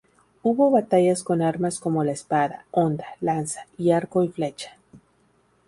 Hubo batallas con armas como la espada, honda, lanza, y arco y flecha.